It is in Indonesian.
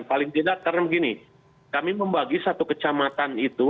paling tidak karena begini kami membagi satu kecamatan itu